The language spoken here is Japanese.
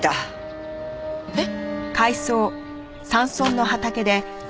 えっ？